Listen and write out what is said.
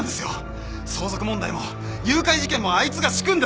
相続問題も誘拐事件もあいつが仕組んだ自作。